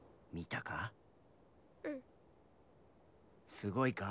すごいか？